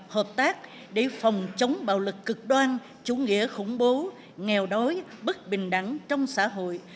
hợp tác để phòng chống bạo lực cực đoan chủ nghĩa khủng bố nghèo đói bất bình đẳng trong xã hội